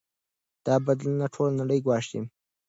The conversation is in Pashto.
دا بدلونونه ټوله نړۍ ګواښي.